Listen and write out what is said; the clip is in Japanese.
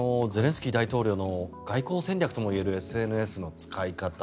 ゼレンスキー大統領の外交戦略ともいえるＳＮＳの使い方。